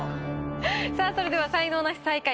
さあそれでは才能ナシ最下位